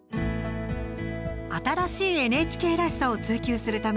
新しいＮＨＫらしさを追求するために。